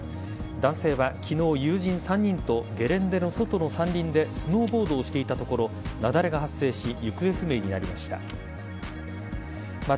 男性は昨日、友人３人とゲレンデの外の山林でスノーボードをしていたところ雪崩が発生し行方不明になりました。